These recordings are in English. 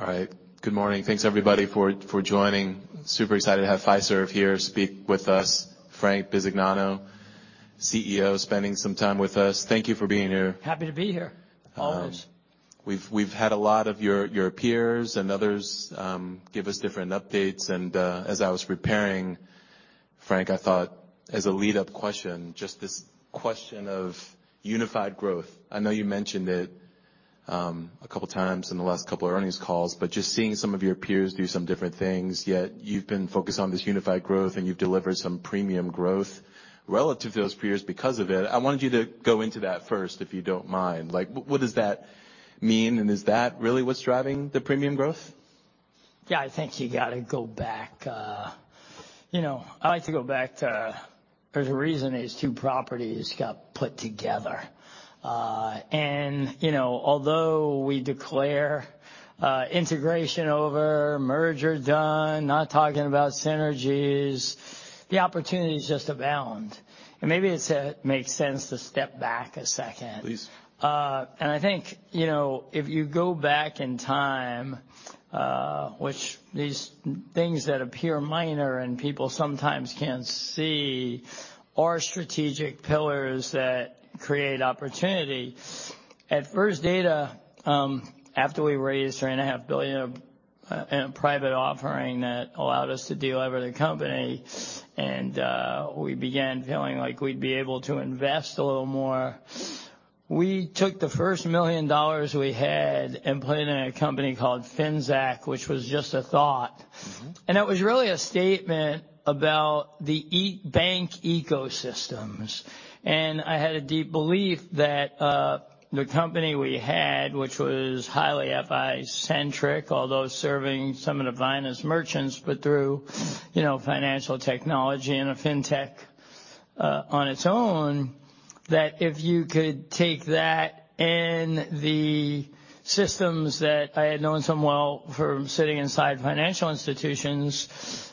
All right. Good morning. Thanks, everybody, for joining. Super excited to have Fiserv here speak with us. Frank Bisignano, CEO, spending some time with us. Thank you for being here. Happy to be here. Always. We've had a lot of your peers and others give us different updates. As I was preparing, Frank, I thought as a lead up question, just this question of unified growth. I know you mentioned it, a couple times in the last couple of earnings calls, but just seeing some of your peers do some different things, yet you've been focused on this unified growth, and you've delivered some premium growth relative to those peers because of it. I wanted you to go into that first, if you don't mind. Like, what does that mean, and is that really what's driving the premium growth? Yeah, I think you gotta go back, you know. I like to go back to there's a reason these two properties got put together. Although we declare, integration over, merger done, not talking about synergies, the opportunities just abound. Maybe it's makes sense to step back a second. Please. I think, you know, if you go back in time, which these things that appear minor and people sometimes can't see are strategic pillars that create opportunity. At First Data, after we raised $3.5 billion in a private offering that allowed us to deliver the company and, we began feeling like we'd be able to invest a little more, we took the first $1 million we had and put it in a company called Finxact, which was just a thought. It was really a statement about the e-bank ecosystems. I had a deep belief that the company we had, which was highly FI-centric, although serving some of the finest merchants, but through, you know, financial technology and a fintech on its own, that if you could take that and the systems that I had known so well from sitting inside financial institutions,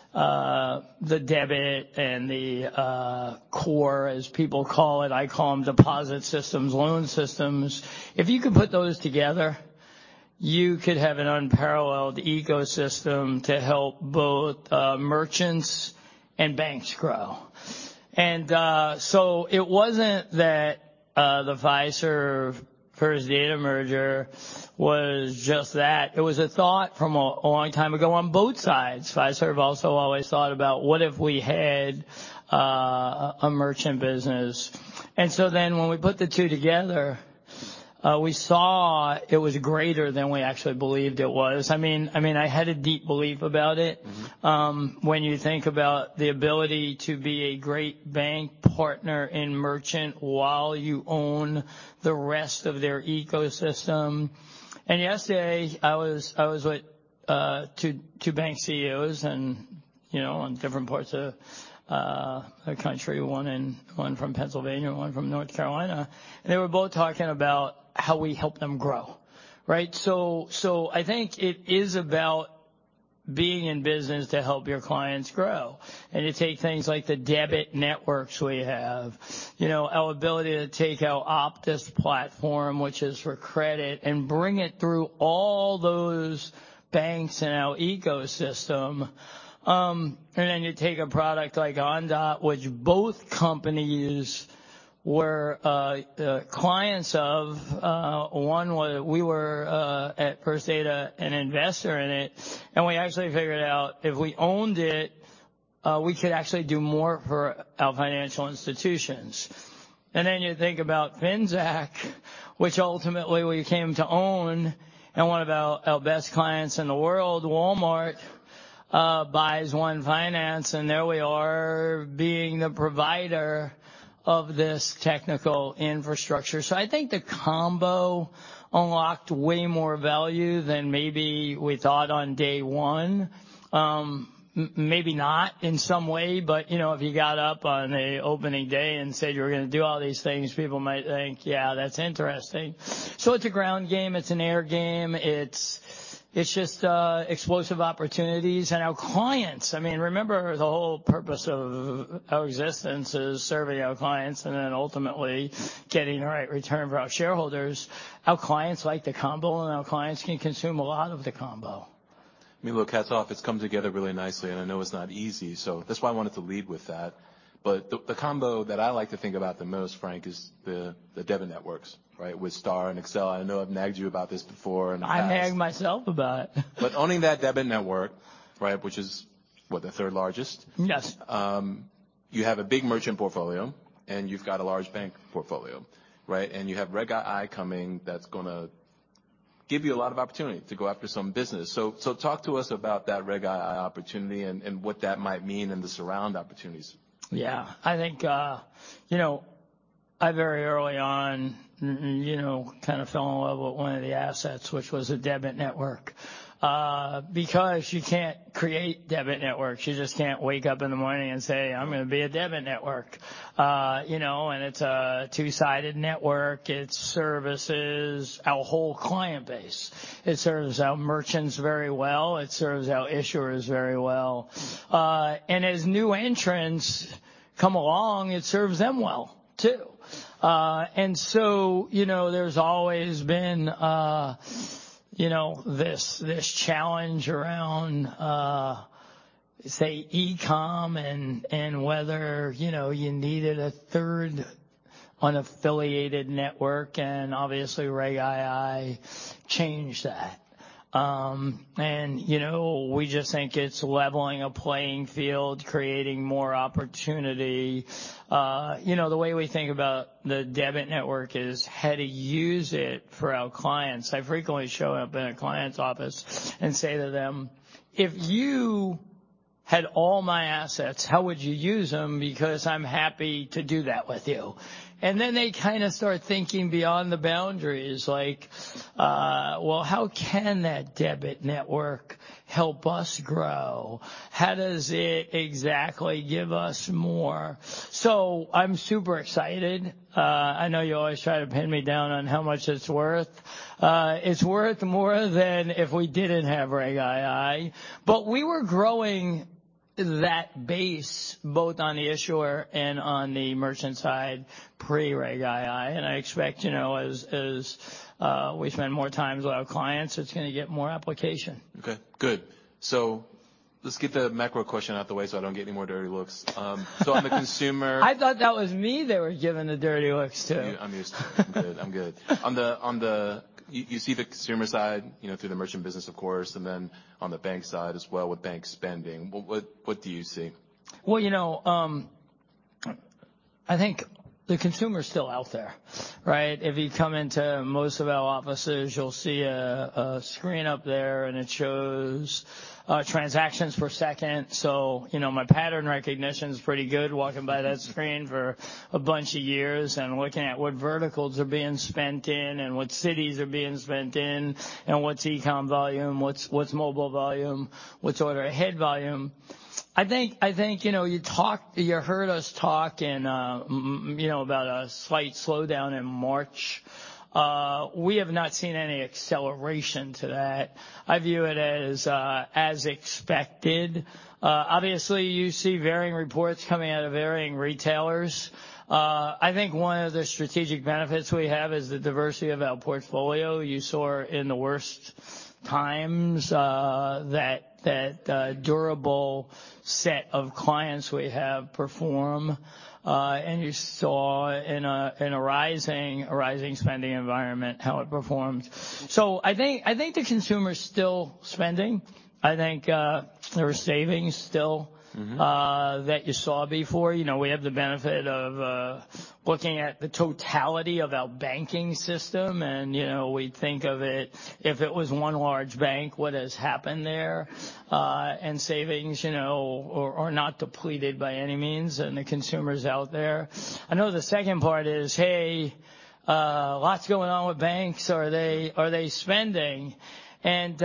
the debit and the core, as people call it. I call them deposit systems, loan systems. If you could put those together, you could have an unparalleled ecosystem to help both merchants and banks grow. It wasn't that the Fiserv-First Data merger was just that. It was a thought from a long time ago on both sides. Fiserv also always thought about what if we had a merchant business. When we put the two together, we saw it was greater than we actually believed it was. I mean, I had a deep belief about it. Mm-hmm. When you think about the ability to be a great bank partner and merchant while you own the rest of their ecosystem. Yesterday I was with two bank CEOs and, you know, in different parts of the country, one from Pennsylvania and one from North Carolina. They were both talking about how we help them grow, right? I think it is about being in business to help your clients grow and to take things like the debit networks we have, you know, our ability to take our Aptitude platform, which is for credit, and bring it through all those banks in our ecosystem. You take a product like Ondot, which both companies were clients of. One was we were at First Data, an investor in it, and we actually figured out if we owned it, we could actually do more for our financial institutions. You think about Finxact, which ultimately we came to own, and one of our best clients in the world, Walmart, buys ONE Finance, and there we are being the provider of this technical infrastructure. I think the combo unlocked way more value than maybe we thought on day one. Maybe not in some way, but, you know, if you got up on an opening day and said you were gonna do all these things, people might think, "Yeah, that's interesting." It's a ground game, it's an air game, it's just explosive opportunities. Our clients, I mean, remember the whole purpose of our existence is serving our clients and then ultimately getting the right return for our shareholders. Our clients like the combo, and our clients can consume a lot of the combo. I mean, look, hats off. It's come together really nicely, and I know it's not easy, so that's why I wanted to lead with that. The combo that I like to think about the most, Frank, is the debit networks, right? With STAR and Accel. I know I've nagged you about this before in the past. I nag myself about it. Owning that debit network, right? Which is what, the third largest? Yes. You have a big merchant portfolio and you've got a large bank portfolio, right? You have Regulation II coming. That's gonna give you a lot of opportunity to go after some business. Talk to us about that Regulation II opportunity and what that might mean and the surround opportunities. Yeah. I think, you know, I very early on, you know, kind of fell in love with one of the assets, which was a debit network, because you can't create debit networks. You just can't wake up in the morning and say, "I'm gonna be a debit network." You know, it's a two-sided network. It services our whole client base. It serves our merchants very well. It serves our issuers very well. As new entrants come along, it serves them well too. You know, there's always been, you know, this challenge around, say, e-com and whether, you know, you needed a third unaffiliated network, and obviously Regulation II changed that. You know, we just think it's leveling a playing field, creating more opportunity. You know, the way we think about the debit network is how to use it for our clients. I frequently show up in a client's office and say to them, "If you had all my assets, how would you use them? Because I'm happy to do that with you." Then they kinda start thinking beyond the boundaries, like, "Well, how can that debit network help us grow? How does it exactly give us more?" I'm super excited. I know you always try to pin me down on how much it's worth. It's worth more than if we didn't have Regulation II. We were growing that base both on the issuer and on the merchant side pre-Regulation II. I expect, you know, as we spend more times with our clients, it's gonna get more application. Okay, good. Let's get the macro question out the way so I don't get any more dirty looks. I thought that was me they were giving the dirty looks to. I'm used to it. I'm good. On the you see the consumer side, you know, through the merchant business, of course, and then on the bank side as well with banks spending. What do you see? You know, I think the consumer's still out there, right? If you come into most of our offices, you'll see a screen up there, and it shows transactions per second. You know, my pattern recognition's pretty good walking by that screen for a bunch of years and looking at what verticals are being spent in and what cities are being spent in and what's e-com volume, what's mobile volume, what's order ahead volume. I think, you know, you heard us talk and, you know, about a slight slowdown in March. We have not seen any acceleration to that. I view it as expected. Obviously, you see varying reports coming out of varying retailers. I think one of the strategic benefits we have is the diversity of our portfolio. You saw in the worst times, that durable set of clients we have perform, and you saw in a rising spending environment how it performed. I think the consumer's still spending. I think, there are savings still. Mm-hmm. That you saw before. You know, we have the benefit of looking at the totality of our banking system and, you know, we think of it if it was one large bank, what has happened there. Savings, you know, are not depleted by any means, and the consumer's out there. I know the second part is, hey, lots going on with banks. Are they spending? I'd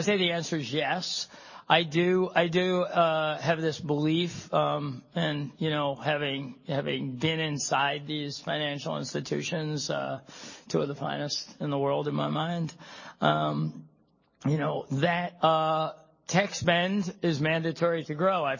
say the answer is yes. I do have this belief, and you know, having been inside these financial institutions, two of the finest in the world in my mind, you know, that tech spend is mandatory to grow.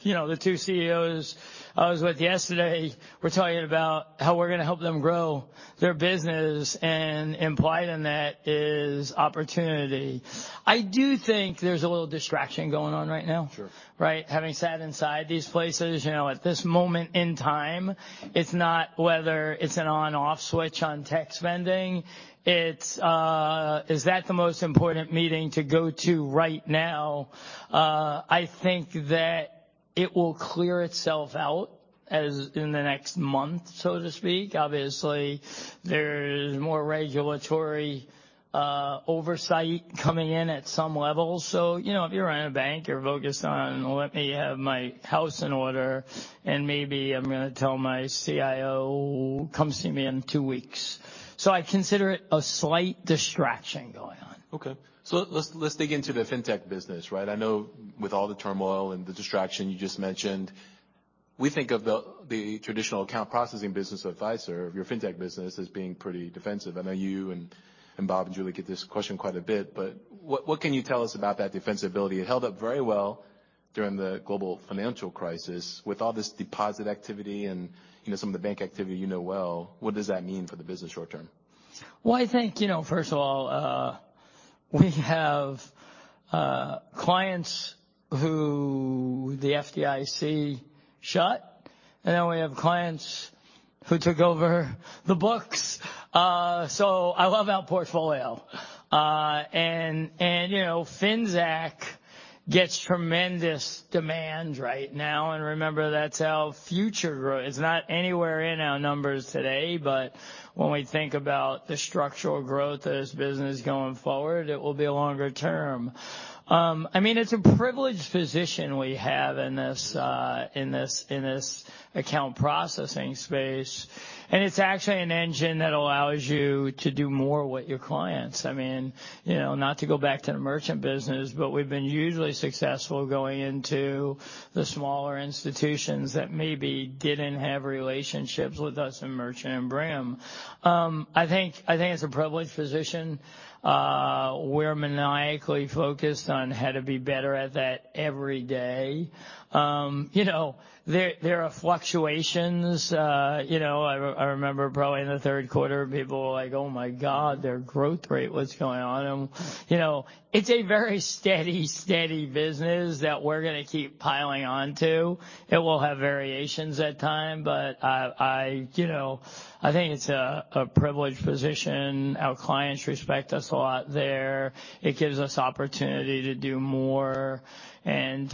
You know, the two CEOs I was with yesterday were talking about how we're gonna help them grow their business. Implied in that is opportunity. I do think there's a little distraction going on right now. Sure. Right? Having sat inside these places, you know, at this moment in time, it's not whether it's an on/off switch on tech spending, it's, is that the most important meeting to go to right now? I think that it will clear itself out as in the next month, so to speak. Obviously, there's more regulatory, oversight coming in at some level. You know, if you're running a bank, you're focused on let me have my house in order, and maybe I'm gonna tell my CIO, "Come see me in two weeks." I consider it a slight distraction going on. Okay. Let's dig into the fintech business, right? I know with all the turmoil and the distraction you just mentioned, we think of the traditional account processing business of Fiserv, your fintech business, as being pretty defensive. I know you and Bob and Julie get this question quite a bit, what can you tell us about that defensibility? It held up very well during the global financial crisis. With all this deposit activity and, you know, some of the bank activity you know well, what does that mean for the business short term? Well, I think, you know, first of all, we have clients who the FDIC shut, and then we have clients who took over the books. I love our portfolio. You know, Finxact gets tremendous demand right now. Remember, that's our future growth. It's not anywhere in our numbers today, but when we think about the structural growth of this business going forward, it will be longer term. I mean, it's a privileged position we have in this, in this, in this account processing space, and it's actually an engine that allows you to do more with your clients. I mean, you know, not to go back to the merchant business, but we've been usually successful going into the smaller institutions that maybe didn't have relationships with us in merchant and bring them. I think it's a privileged position. We're maniacally focused on how to be better at that every day. You know, there are fluctuations. You know, I remember probably in the third quarter people were like, "Oh my God, their growth rate, what's going on?" You know, it's a very steady business that we're gonna keep piling on to. It will have variations at time, but I, you know, I think it's a privileged position. Our clients respect us a lot there. It gives us opportunity to do more and,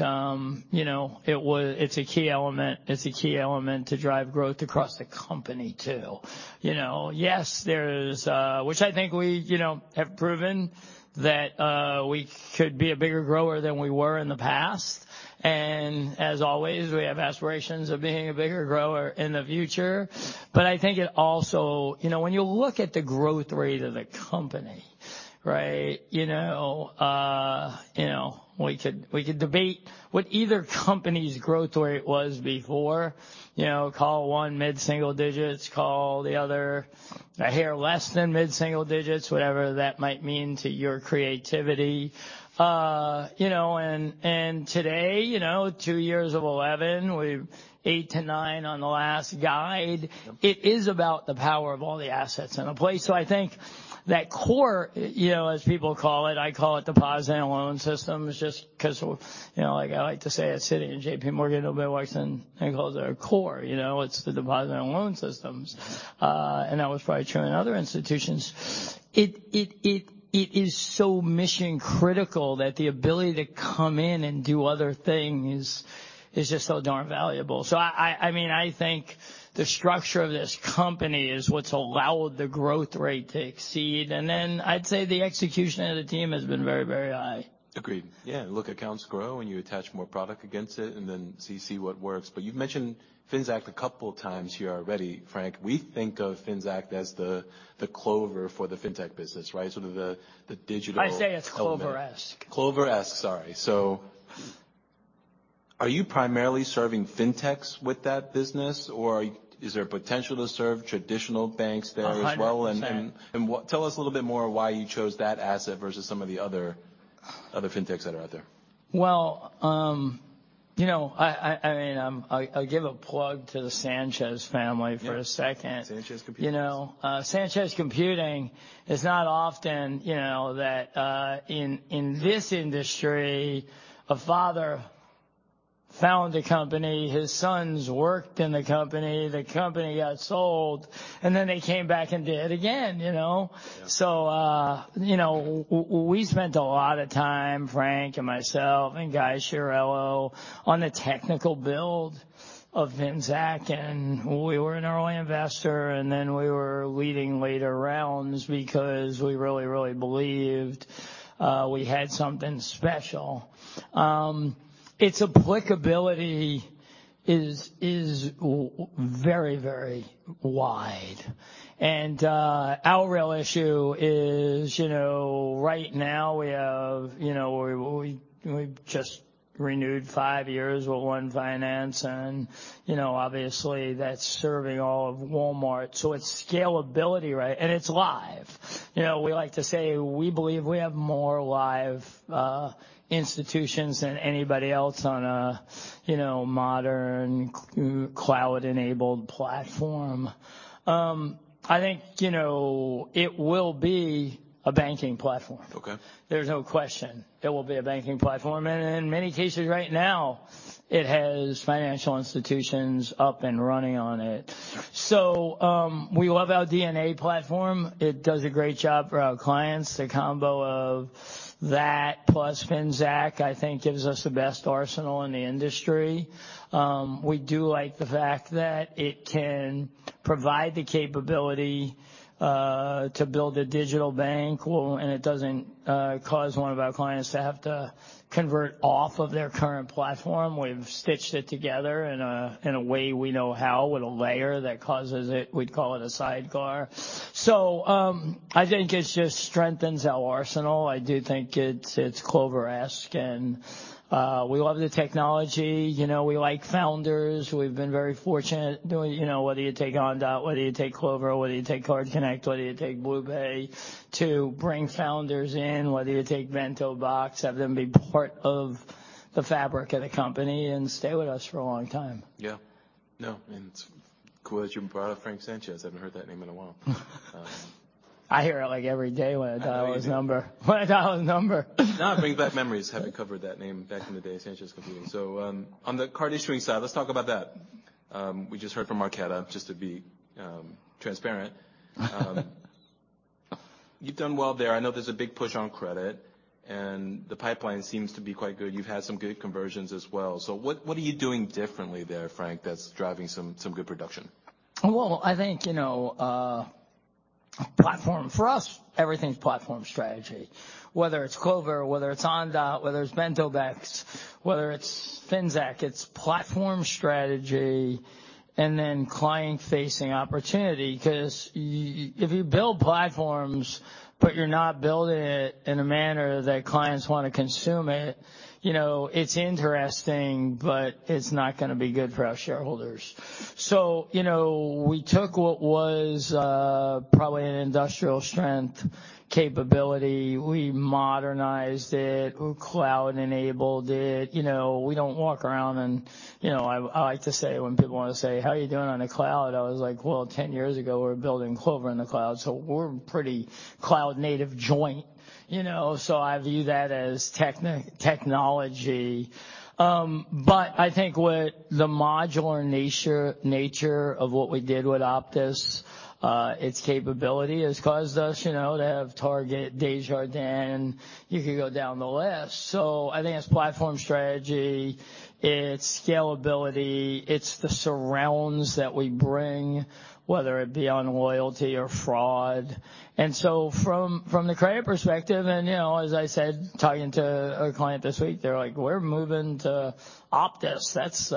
you know, it's a key element. It's a key element to drive growth across the company too. You know? Yes, there's, which I think we, you know, have proven that we could be a bigger grower than we were in the past. As always, we have aspirations of being a bigger grower in the future. I think it also. You know, when you look at the growth rate of the company, right? You know, you know, we could debate what either company's growth rate was before. You know, call one mid-single digits, call the other a hair less than mid-single digits, whatever that might mean to your creativity. You know, and today, you know, two years of 11, we eight to nine on the last guide. It is about the power of all the assets in a place. I think that core, you know, as people call it, I call it deposit and loan systems, just 'cause, you know, like I like to say at Citi and JPMorgan, nobody works in. They call it their core. You know? It's the deposit and loan systems. That was probably true in other institutions. It is so mission critical that the ability to come in and do other things is just so darn valuable. I mean, I think the structure of this company is what's allowed the growth rate to exceed. Then I'd say the execution of the team has been very, very high. Agreed. Yeah, look, accounts grow and you attach more product against it and then so you see what works. You've mentioned Finxact a couple times here already, Frank. We think of Finxact as the Clover for the fintech business, right? Sort of the. I say it's Clover-esque. Clover-esque, sorry. Are you primarily serving fintechs with that business or is there potential to serve traditional banks there as well? 100%. Tell us a little bit more why you chose that asset versus some of the other fintechs that are out there? Well, you know, I mean, I'll give a plug to the Sanchez family for a second. Yeah. Sanchez Computing. You know, Sanchez Computing, it's not often, you know, that in this industry, a father found a company, his sons worked in the company, the company got sold, and then they came back and did it again, you know? Yeah. you know, we spent a lot of time, Frank and myself and Guy Chiarello, on the technical build of Finxact, and we were an early investor, and then we were leading later rounds because we really, really believed we had something special. Its applicability is very, very wide. Our real issue is, you know, right now we have, you know. We just renewed five years with One Finance and, you know, obviously that's serving all of Walmart. it's scalability, right? It's live. You know, we like to say we believe we have more live institutions than anybody else on a, you know, modern cloud-enabled platform. I think, you know, it will be a banking platform. Okay. There's no question it will be a banking platform. In many cases right now it has financial institutions up and running on it. We love our DNA platform. It does a great job for our clients. The combo of that plus Finxact, I think gives us the best arsenal in the industry. We do like the fact that it can provide the capability to build a digital bank well, and it doesn't cause one of our clients to have to convert off of their current platform. We've stitched it together in a, in a way we know how with a layer that causes it. We'd call it a sidecar. I think it just strengthens our arsenal. I do think it's Clover-esque, and we love the technology. You know, we like founders. We've been very fortunate doing, you know, whether you take Ondot, whether you take Clover, whether you take CardConnect, whether you take BluePay to bring founders in, whether you take BentoBox, have them be part of the fabric of the company and stay with us for a long time. Yeah. No, it's cool that you brought up Frank Sanchez. I haven't heard that name in a while. I hear it like every day when I dial his number. I know you do. When I dial his number. No, it brings back memories having covered that name back in the day, Sanchez Computing. On the card issuing side, let's talk about that. We just heard from Marqeta just to be transparent. You've done well there. I know there's a big push on credit, and the pipeline seems to be quite good. You've had some good conversions as well. What are you doing differently there, Frank, that's driving some good production? Well, I think, you know, platform. For us, everything's platform strategy. Whether it's Clover, whether it's Ondot, whether it's BentoBox, whether it's Finxact, it's platform strategy and then client-facing opportunity. 'Cause if you build platforms, but you're not building it in a manner that clients wanna consume it, you know, it's interesting, but it's not gonna be good for our shareholders. you know, we took what was, probably an industrial strength capability. We modernized it, we cloud-enabled it. You know, we don't walk around and, you know, I like to say when people wanna say, "How are you doing on the cloud?" I was like, "Well, 10 years ago we were building Clover in the cloud, so we're a pretty cloud native joint," you know? I view that as technology. I think what the modular nature of what we did with Aptitude, its capability has caused us, you know, to have Target, Desjardins, you could go down the list. I think it's platform strategy, it's scalability, it's the surrounds that we bring, whether it be on loyalty or fraud. From the credit perspective and, you know, as I said, talking to a client this week, they're like, "We're moving to Aptitude. That's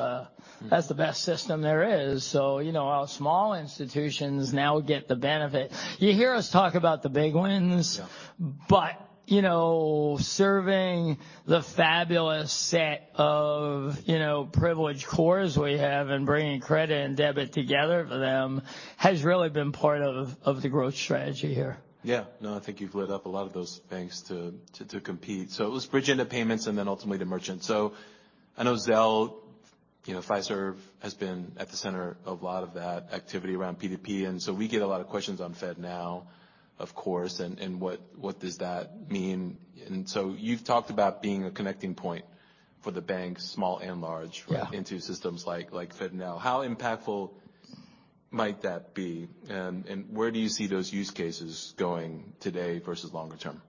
the best system there is." You know, our small institutions now get the benefit. You hear us talk about the big wins. Yeah. You know, serving the fabulous set of, you know, privileged cores we have and bringing credit and debit together for them has really been part of the growth strategy here. Yeah. No, I think you've lit up a lot of those banks to, to compete. It was Bridge into payments and then ultimately to merchant. I know Zelle, you know, Fiserv has been at the center of a lot of that activity around P2P, we get a lot of questions on FedNow, of course, and what does that mean. You've talked about being a connecting point for the banks, small and large. Yeah. Into systems like FedNow. How impactful might that be, and where do you see those use cases going today versus longer term?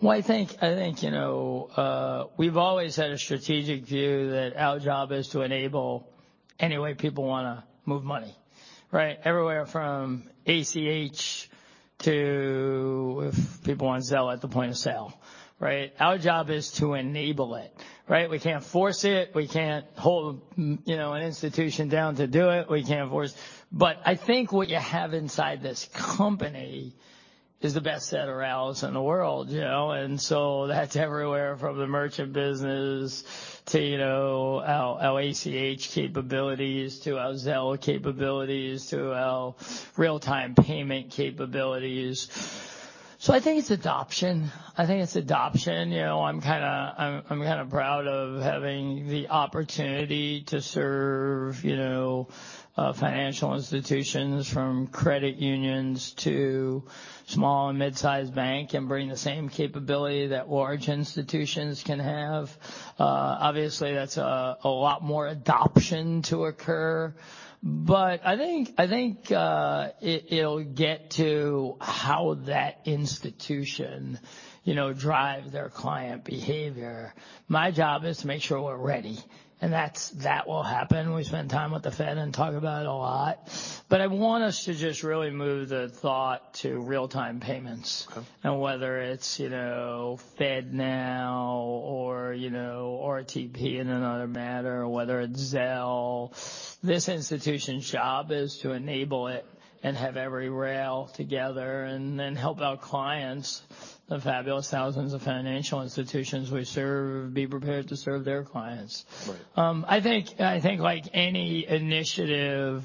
Well, I think, you know, we've always had a strategic view that our job is to enable any way people wanna move money, right? Everywhere from ACH to if people want Zelle at the point of sale, right? Our job is to enable it, right? We can't force it, we can't hold, you know, an institution down to do it, we can't force. I think what you have inside this company is the best set of rails in the world, you know? That's everywhere from the merchant business to, you know, our ACH capabilities, to our Zelle capabilities, to our real-time payment capabilities. I think it's adoption. I think it's adoption. You know, I'm kinda proud of having the opportunity to serve, you know, financial institutions from credit unions to small and mid-sized bank and bring the same capability that large institutions can have. Obviously that's a lot more adoption to occur, but I think it'll get to how that institution, you know, drives their client behavior. My job is to make sure we're ready, and that will happen. We spend time with the Fed and talk about it a lot. I want us to just really move the thought to real-time payments. Okay. Whether it's, you know, FedNow or, you know, RTP in another matter, or whether it's Zelle, this institution's job is to enable it and have every rail together and then help our clients, the fabulous thousands of financial institutions we serve, be prepared to serve their clients. Right. I think like any initiative,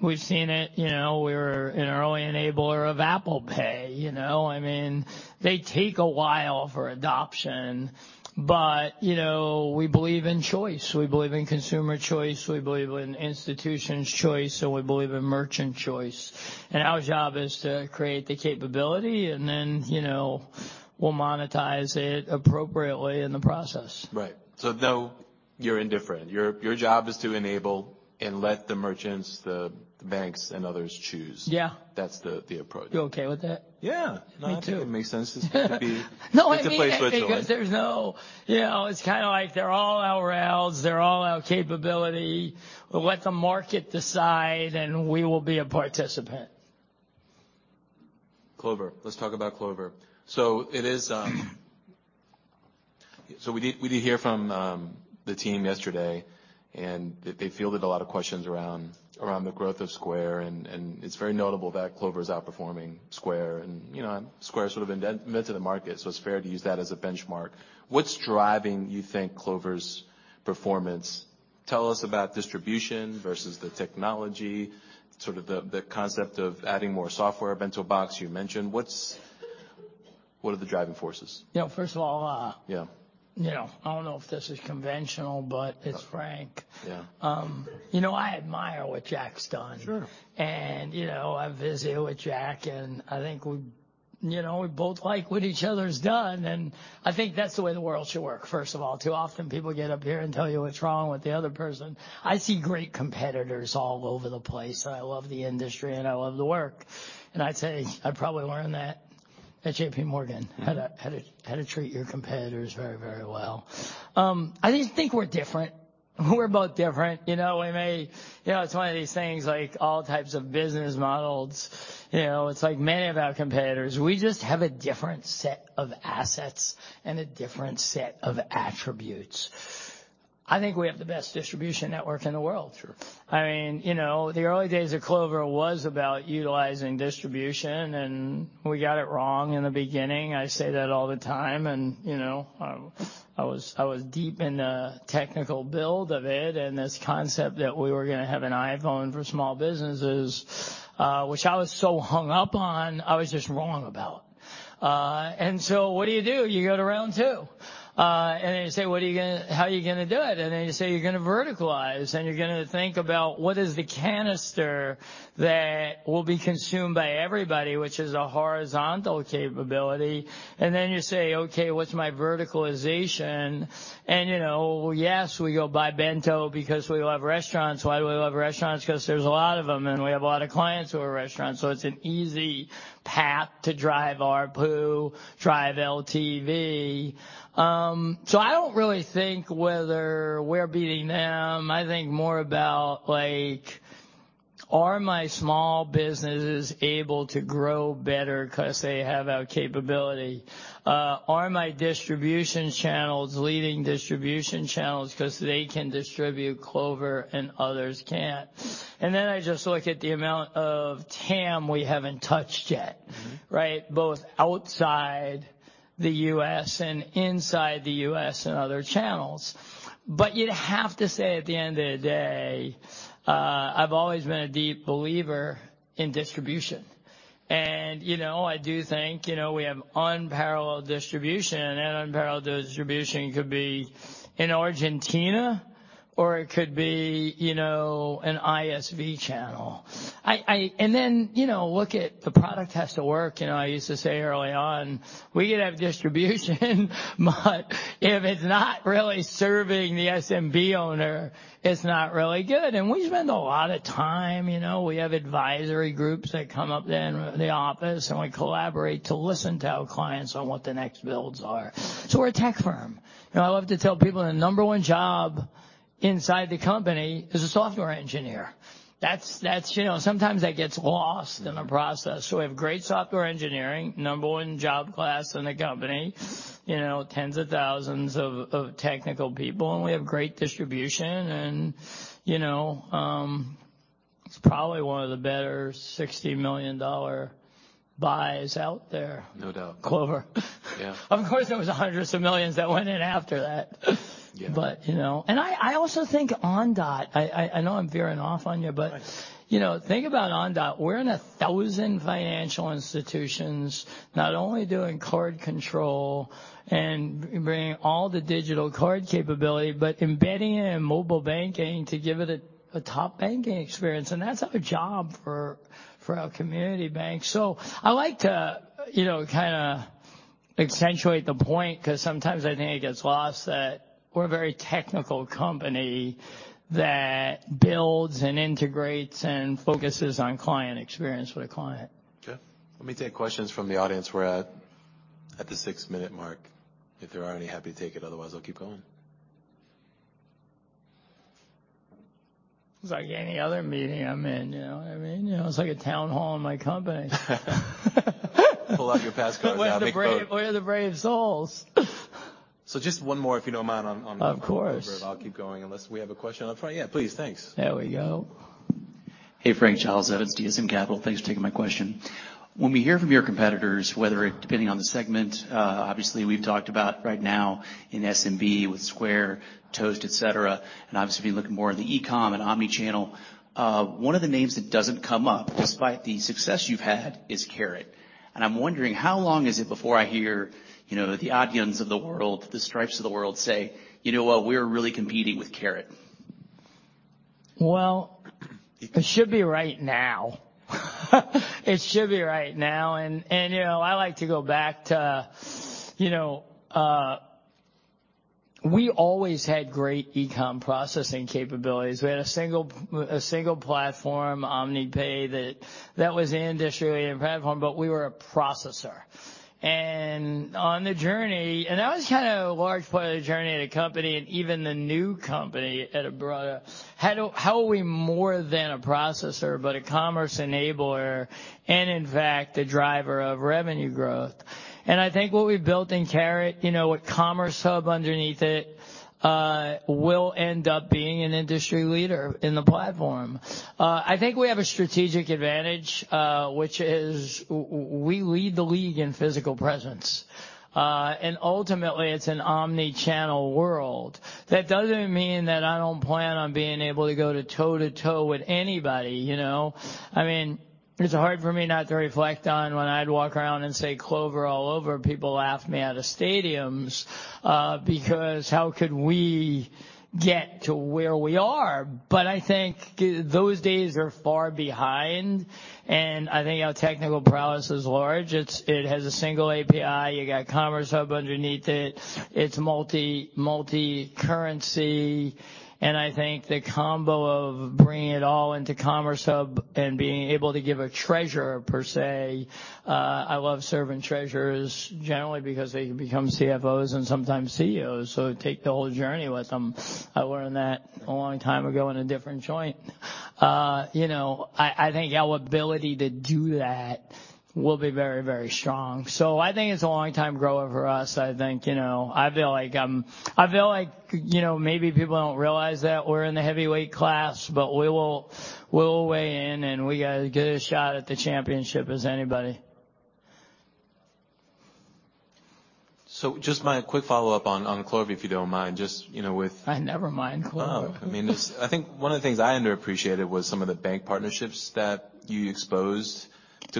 we've seen it, you know, we're an early enabler of Apple Pay, you know. I mean, they take a while for adoption but, you know, we believe in choice. We believe in consumer choice, we believe in institutions choice, and we believe in merchant choice. Our job is to create the capability and then, you know, we'll monetize it appropriately in the process. Right. Though you're indifferent, your job is to enable and let the merchants, the banks and others choose. Yeah. That's the approach. You okay with that? Yeah me too. No, I think it makes sense. It's good to be. No, I mean it. Get to play switch along. Because, you know, it's kinda like they're all our rails. They're all our capability. We'll let the market decide and we will be a participant. Clover. Let's talk about Clover. We did hear from the team yesterday. They fielded a lot of questions around the growth of Square. It's very notable that Clover is outperforming Square and, you know, Square is sort of indem-meant to the market, so it's fair to use that as a benchmark. What's driving, you think, Clover's performance? Tell us about distribution versus the technology, sort of the concept of adding more software, BentoBox you mentioned. What are the driving forces? You know, first of all. Yeah. You know, I don't know if this is conventional, but it's Frank. Yeah. You know, I admire what Jack's done. Sure. You know, I visit with Jack and I think we, you know, we both like what each other's done, and I think that's the way the world should work, first of all. Too often people get up here and tell you what's wrong with the other person. I see great competitors all over the place, and I love the industry and I love the work. I'd say I probably learned that at JPMorgan, how to treat your competitors very, very well. I think we're different. We're both different. You know, we may. You know, it's one of these things, like all types of business models, you know, it's like many of our competitors, we just have a different set of assets and a different set of attributes. I think we have the best distribution network in the world. Sure. I mean, you know, the early days of Clover was about utilizing distribution, and we got it wrong in the beginning. I say that all the time, and, you know, I was deep in the technical build of it, and this concept that we were gonna have an iPhone for small businesses, which I was so hung up on, I was just wrong about. What do you do? You go to round two, you say, "How are you gonna do it?" You say you're gonna verticalize, and you're gonna think about what is the canister that will be consumed by everybody, which is a horizontal capability. You say, "Okay, what's my verticalization?" You know, yes, we go buy Bento because we love restaurants. Why do we love restaurants? Because there's a lot of them, and we have a lot of clients who are restaurants, so it's an easy path to drive ARPU, drive LTV. I don't really think whether we're beating them. I think more about, like, are my small businesses able to grow better 'cause they have our capability? Are my distribution channels leading distribution channels 'cause they can distribute Clover and others can't? I just look at the amount of TAM we haven't touched yet. Mm-hmm. Right? Both outside the U.S. and inside the U.S. and other channels. You'd have to say at the end of the day, I've always been a deep believer in distribution. You know, I do think, you know, we have unparalleled distribution, and unparalleled distribution could be in Argentina, or it could be, you know, an ISV channel. I. You know, look at the product has to work. You know, I used to say early on, we could have distribution, but if it's not really serving the SMB owner, it's not really good. We spend a lot of time, you know, we have advisory groups that come up in the office, and we collaborate to listen to our clients on what the next builds are. We're a tech firm, I love to tell people the number one job inside the company is a software engineer. That's, you know, sometimes that gets lost in the process. We have great software engineering, number one job class in the company, you know, tens of thousands of technical people, and we have great distribution and, you know, it's probably one of the better $60 million buys out there. No doubt. Clover. Yeah. Of course, there was hundreds of millions that went in after that. Yeah. You know? I also think Ondot, I know I'm veering off on you. That's all right. You know, think about Ondot. We're in 1,000 financial institutions, not only doing card control and bringing all the digital card capability, but embedding it in mobile banking to give it a top banking experience, and that's our job for our community bank. I like to, you know, kinda accentuate the point 'cause sometimes I think it gets lost that we're a very technical company that builds and integrates and focuses on client experience with a client. Yeah. Let me take questions from the audience. We're at the six-minute mark. If there are any, happy to take it, otherwise I'll keep going. It's like any other meeting I'm in, you know what I mean? You know, it's like a town hall in my company. Pull out your pass card. Yeah. Where are the brave souls? Just one more, if you don't mind, on. Of course. I'll keep going unless we have a question up front. Yeah, please. Thanks. There we go. Hey, Frank. Charles Evans, DSM Capital. Thanks for taking my question. When we hear from your competitors, whether it, depending on the segment, obviously we've talked about right now in SMB with Square, Toast, et cetera, and obviously been looking more at the e-com and omni-channel, one of the names that doesn't come up despite the success you've had is Carat. I'm wondering how long is it before I hear, you know, the Adyens of the world, the Stripes of the world say, "You know what? We're really competing with Carat. Well, it should be right now. It should be right now. You know, I like to go back to, you know, we always had great e-com processing capabilities. We had a single platform, OmniPay, that was the industry leading platform, but we were a processor. On the journey, that was kind of a large part of the journey of the company and even the new company at Abrata. How are we more than a processor but a commerce enabler and in fact a driver of revenue growth? I think what we built in Carat, you know, with Commerce Hub underneath it, will end up being an industry leader in the platform. I think we have a strategic advantage, which is we lead the league in physical presence. Ultimately it's an omni-channel world. That doesn't mean that I don't plan on being able to go to toe-to-toe with anybody, you know? I mean, it's hard for me not to reflect on when I'd walk around and say Clover all over, people laughed me out of stadiums because how could we get to where we are? I think those days are far behind, and I think our technical prowess is large. It has a single API. You got Commerce Hub underneath it. It's multi-currency. I think the combo of bringing it all into Commerce Hub and being able to give a treasurer per se, I love serving treasurers generally because they become CFOs and sometimes CEOs, so take the whole journey with them. I learned that a long time ago in a different joint. You know, I think our ability to do that will be very, very strong. I think it's a long time grower for us. I think, you know, I feel like, you know, maybe people don't realize that we're in the heavyweight class, but we will weigh in, and we got as good a shot at the championship as anybody. Just my quick follow-up on Clover, if you don't mind. Just, you know. I never mind Clover. I mean, I think one of the things I underappreciated was some of the bank partnerships that you exposed to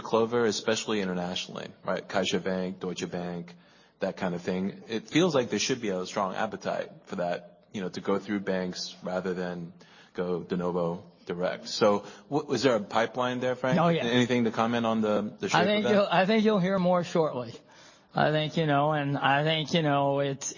Clover, especially internationally, right? CaixaBank, Deutsche Bank, that kind of thing. It feels like there should be a strong appetite for that, you know, to go through banks rather than go de novo direct. Was there a pipeline there, Frank? Oh, yeah. Anything to comment on the shape of that? I think you'll hear more shortly. I think, you know, it's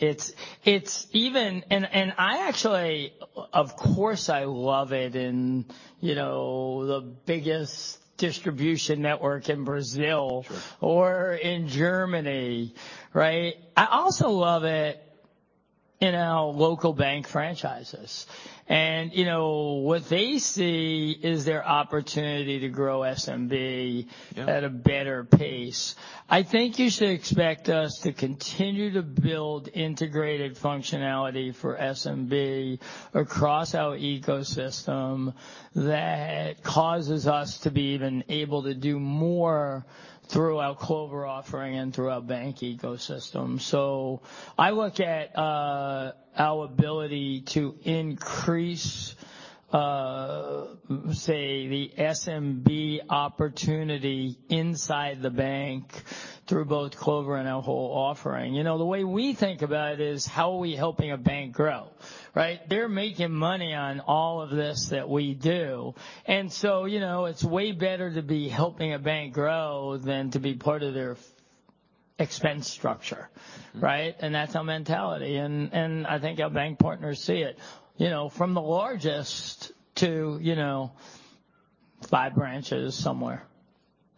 even, I actually, of course, I love it in, you know, the biggest distribution network in Brazil. Sure. Or in Germany, right? I also love it in our local bank franchises. You know, what they see is their opportunity to grow SMB. Yep. At a better pace. I think you should expect us to continue to build integrated functionality for SMB across our ecosystem that causes us to be even able to do more through our Clover offering and through our bank ecosystem. I look at our ability to increase, say, the SMB opportunity inside the bank through both Clover and our whole offering. You know, the way we think about it is how are we helping a bank grow, right? They're making money on all of this that we do. You know, it's way better to be helping a bank grow than to be part of their expense structure, right? That's our mentality, and I think our bank partners see it, you know, from the largest to, you know, five branches somewhere.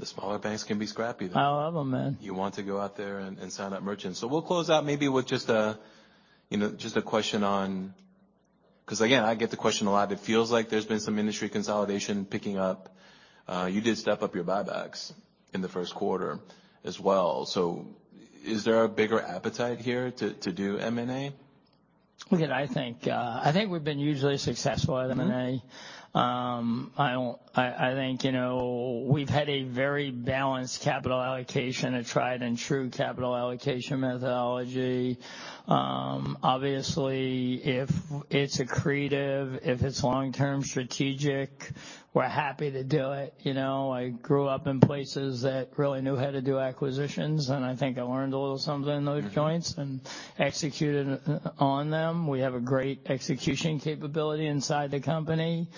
The smaller banks can be scrappy, though. I love them, man. You want to go out there and sign up merchants. We'll close out maybe with just a, you know, just a question on. 'Cause again, I get the question a lot. It feels like there's been some industry consolidation picking up. You did step up your buybacks in the first quarter as well. Is there a bigger appetite here to do M&A? Look, I think we've been usually successful at M&A. I think, you know, we've had a very balanced capital allocation, a tried-and-true capital allocation methodology. Obviously, if it's accretive, if it's long-term strategic, we're happy to do it. You know, I grew up in places that really knew how to do acquisitions, and I think I learned a little something in those joints. Mm-hmm. Executed on them. We have a great execution capability inside the company.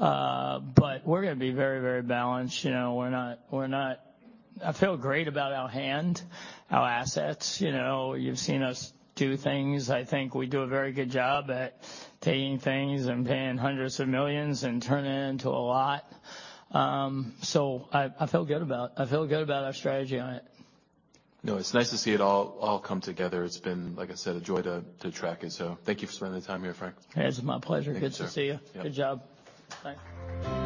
We're gonna be very, very balanced. You know, we're not, I feel great about our hand, our assets. You know, you've seen us do things. I think we do a very good job at taking things and paying hundreds of millions and turning it into a lot. I feel good about our strategy on it. No, it's nice to see it all come together. It's been, like I said, a joy to track it. Thank you for spending the time here, Frank. It's my pleasure. Thank you, sir. Good to see you. Yep. Good job. Bye.